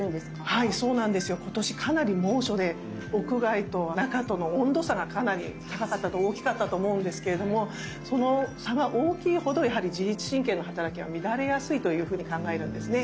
はいそうなんですよ。今年かなり猛暑で屋外と中との温度差がかなり高かったと大きかったと思うんですけれどもその差が大きいほど自律神経のはたらきが乱れやすいというふうに考えるんですね。